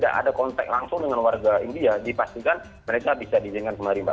tidak ada kontak langsung dengan warga india dipastikan mereka bisa diizinkan kembali mbak